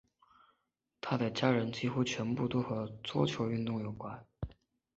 她的家人几乎全部都和桌球运动有关。